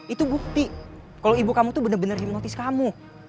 itu bukti kalau ibu kamu tuh bener bener hipnotis kamu